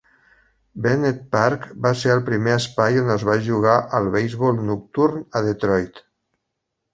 Bennett Park va ser el primer espai on es va jugar al beisbol nocturn a Detroit.